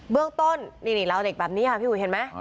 เบื้องต้นนี่เล่าเด็กแบบนี้ค่ะพี่อุ๋ยเห็นมั้ย